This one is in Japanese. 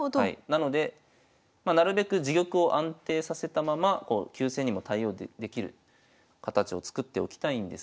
なのでなるべく自玉を安定させたまま急戦にも対応できる形を作っておきたいんですが。